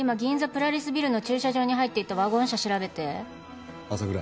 プラリスビルの駐車場に入っていったワゴン車調べて朝倉